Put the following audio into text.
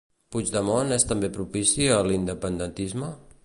Puigdemont és també propici a l'independentisme?